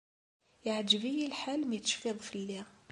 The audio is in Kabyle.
Iεǧeb-iyi lḥal mi tecfiḍ fell-i.